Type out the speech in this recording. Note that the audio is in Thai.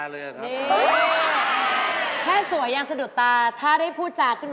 รีวิวคนรักขนม